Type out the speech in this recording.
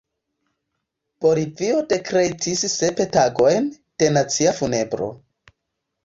Bolivio dekretis sep tagojn de nacia funebro.